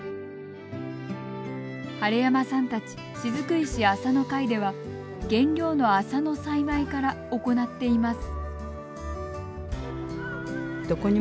晴山さんたちしずくいし麻の会では原料の麻の栽培から行っています。